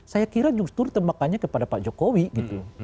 saya kira justru temakannya kepada pak jokowi gitu